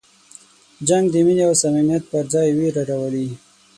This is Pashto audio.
جنګ د مینې او صمیمیت پر ځای وېره راولي.